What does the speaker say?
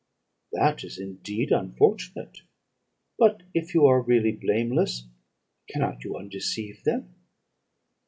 "'That is indeed unfortunate; but if you are really blameless, cannot you undeceive them?'